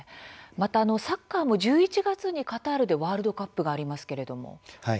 また、サッカーも１１月にカタールでワールドカップがありますけれども。